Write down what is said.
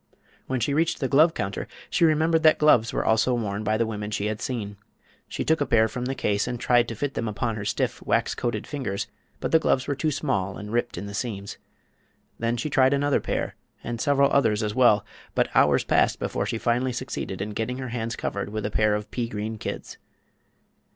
When she reached the glove counter she remembered that gloves were also worn by the women she had seen. She took a pair from the case and tried to fit them upon her stiff, wax coated fingers; but the gloves were too small and ripped in the seams. Then she tried another pair, and several others, as well; but hours passed before she finally succeeded in getting her hands covered with a pair of pea green kids.